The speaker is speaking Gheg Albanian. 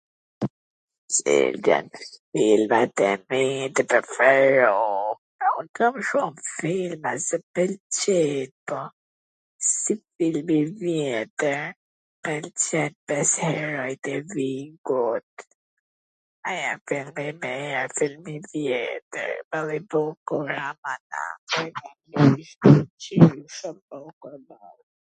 Cilt jan filmat e mi tw preferum, kam shum filma qw pwlqej, po, si film i vjetwr, m pwlqen Pes heronjt e Vigut, ... film i vjetwr, po i bukur aman aman...